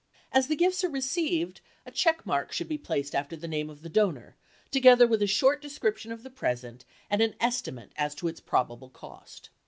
As the gifts are received, a check mark should be placed after the name of the donor, together with a short description of the present and an estimate as to its probable cost.